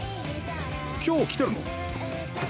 今日来てるの？